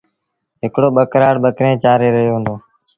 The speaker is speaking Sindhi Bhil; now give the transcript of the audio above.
هڪڙو ٻڪرآڙ ٻڪريݩ چآري رهيو هُݩدو۔